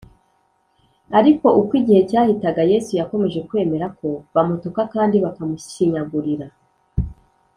ariko uko igihe cyahitaga, yesu yakomeje kwemera ko bamutuka kandi bakamushinyagurira,